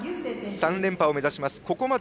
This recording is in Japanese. ３連覇を目指します崎山優成。